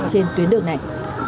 trên tuyến đường này